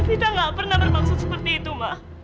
evita gak pernah bermaksud seperti itu ma